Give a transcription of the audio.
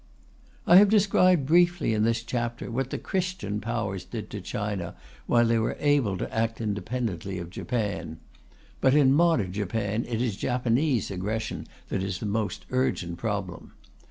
I have described briefly in this chapter what the Christian Powers did to China while they were able to act independently of Japan. But in modern China it is Japanese aggression that is the most urgent problem.